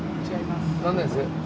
何年生？